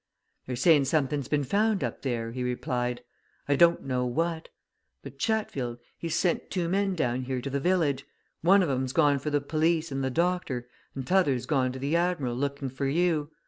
"They're saying something's been found up there." he replied. "I don't know what. But Chatfield, he's sent two men down here to the village. One of 'em's gone for the police and the doctor, and t'other's gone to the 'Admiral,' looking for you.